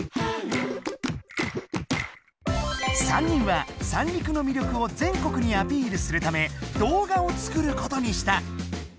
３人は三陸の魅力を全国にアピールするため動画を作ることにした！